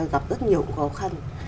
gặp rất nhiều khó khăn